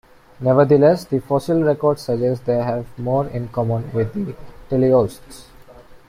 Nevertheless, the fossil record suggests they have more in common with the teleosts.